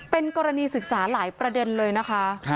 เป็นกรณีศึกษาหลายประเด็นเลยนะคะ